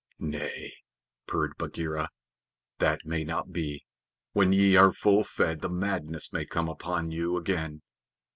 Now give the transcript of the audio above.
"Nay," purred Bagheera, "that may not be. When ye are full fed, the madness may come upon you again.